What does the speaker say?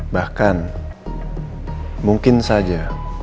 bahkan mungkin saja